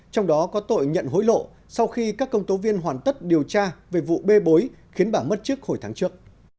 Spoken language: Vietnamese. trong đó có tội nhận hối lộ sau khi các công tố viên hoàn tất điều tra về vụ bê bối khiến bà mất chức hồi tháng trước